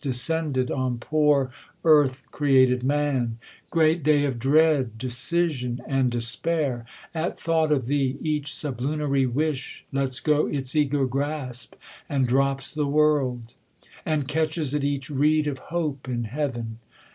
Descended on poor earth^created man ! Great day of dread, decision, and despair ! At thought of thee, each sublunary wish Lets go its eager grasp, and drops the world ; And catches at each reed of hope in heav'n.